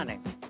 eh puasa ki